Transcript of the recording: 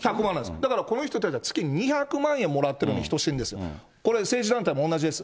だからこの人たち、月２００万円もらってるのに等しいんですよ、これ、政治団体も同じです。